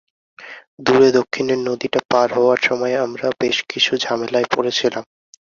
দূরে দক্ষিণের নদীটা পার হওয়ার সময় আমরা বেশ কিছু ঝামেলায় পড়েছিলাম।